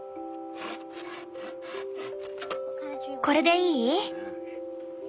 これでいい？